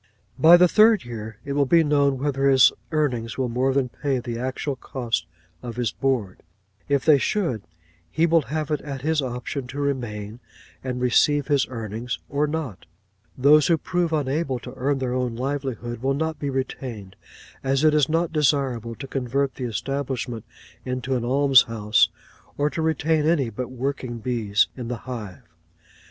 By the third year it will be known whether his earnings will more than pay the actual cost of his board; if they should, he will have it at his option to remain and receive his earnings, or not. Those who prove unable to earn their own livelihood will not be retained; as it is not desirable to convert the establishment into an alms house, or to retain any but working bees in the hive.